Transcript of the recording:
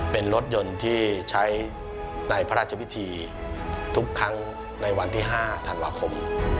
เป็นรถยนต์ที่ใช้ในพระราชพิธีทุกครั้งในวันที่๕ธันวาคม